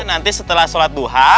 nanti setelah sholat doha